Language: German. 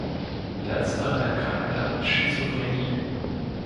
Letzterer erkrankte an Schizophrenie.